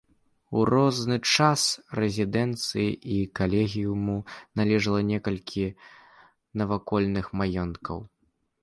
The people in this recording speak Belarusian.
У розны час рэзідэнцыі і калегіуму належала некалькі навакольных маёнткаў.